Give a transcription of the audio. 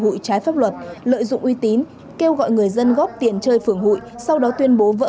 hụi trái pháp luật lợi dụng uy tín kêu gọi người dân góp tiền chơi phường hụi sau đó tuyên bố vỡ